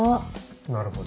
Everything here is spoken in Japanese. なるほど。